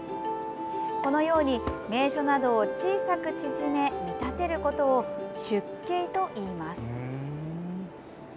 このように名所などを小さく縮め見立てることを縮景といいます。